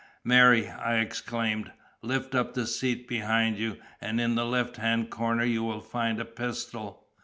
"Mary," I exclaimed, "lift up the seat behind you, and in the left hand corner you will find a pistol."